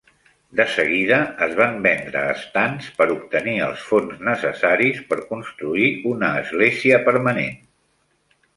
De seguida es van vendre estands per obtenir els fons necessaris per construir una església permanent.